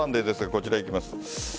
こちら、いきます。